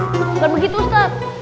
gak begitu ustaz